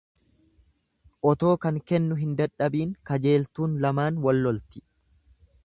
Otoo kan kennu hin dadhabiin kajeeltuun lamaan wallolti.